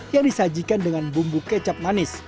yang disajikan dengan bumbu kecap manis